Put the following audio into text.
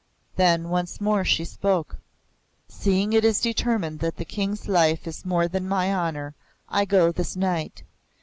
Then once more she spoke. "Seeing it is determined that the King's life is more than my honour, I go this night.